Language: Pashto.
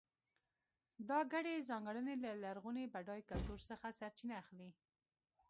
دا ګډې ځانګړنې له لرغوني بډای کلتور څخه سرچینه اخلي.